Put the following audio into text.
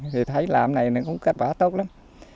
thì thấy làm này cũng kết quả tốt lắm